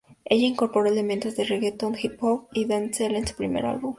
Ella incorporó elementos de reggaeton, hip hop y dancehall en su primer álbum.